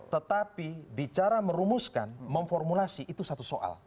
tetapi bicara merumuskan memformulasi itu satu soal